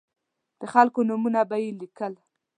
د خلکو نومونه به یې لیکل.